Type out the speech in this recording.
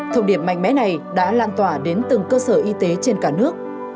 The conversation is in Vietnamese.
thông điệp mạnh mẽ này đã lan tỏa đến từng cơ sở y tế trên cả nước